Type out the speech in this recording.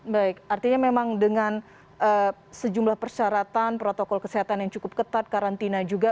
baik artinya memang dengan sejumlah persyaratan protokol kesehatan yang cukup ketat karantina juga